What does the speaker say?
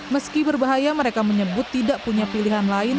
meski berbahaya mereka menyebut tidak punya pilihan lain